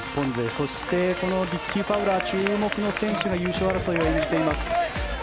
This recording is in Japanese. そして、リッキー・ファウラー注目の選手が優勝争いを演じています。